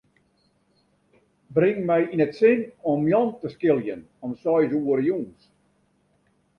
Bring my yn it sin om Jan te skiljen om seis oere jûns.